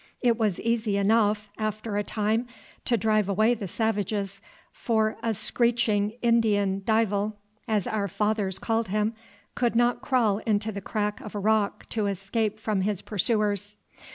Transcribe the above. It was easy enough, after a time, to drive away the savages; for "a screeching Indian Divell," as our fathers called him, could not crawl into the crack of a rock to escape from his pursuers.